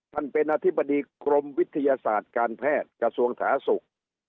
ท่านเป็นอธิบดีกรมวิทยาศาสตร์การแพทย์กระทรวงสาธารณสุข